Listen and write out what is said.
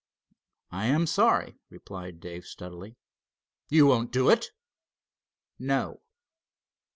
"I am sorry," replied Dave, steadily. "You won't do it?" "No."